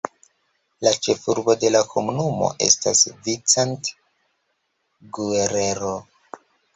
La ĉefurbo de la komunumo estas Vicente Guerrero.